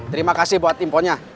terima kasih buat imponnya